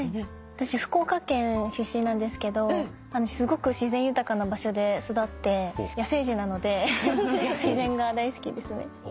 私福岡県出身なんですけどすごく自然豊かな場所で育って野生児なので自然が大好きですね。